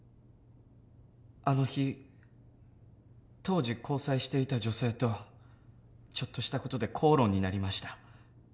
あの日当時交際していた女性とちょっとした事で口論になりました。